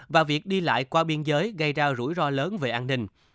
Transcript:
và việc đi lại qua biên giới gây ra rủi ro lớn về an ninh